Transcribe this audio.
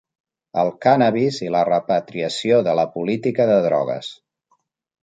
El cànnabis i la repatriació de la política de drogues.